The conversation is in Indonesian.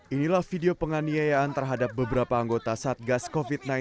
inilah video penganiayaan terhadap beberapa anggota satgas covid sembilan belas